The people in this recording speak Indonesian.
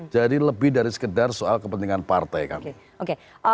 jadi lebih dari sekedar soal kepentingan partai kami